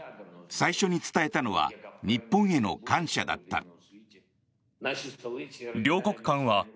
最初に伝えたのは日本への感謝だった。